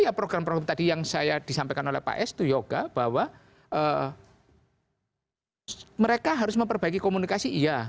ya program program tadi yang saya disampaikan oleh pak s itu yoga bahwa mereka harus memperbaiki komunikasi iya